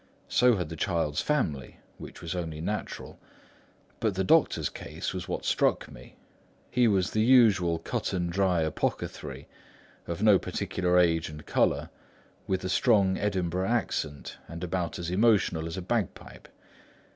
So had the child's family, which was only natural. But the doctor's case was what struck me. He was the usual cut and dry apothecary, of no particular age and colour, with a strong Edinburgh accent and about as emotional as a bagpipe.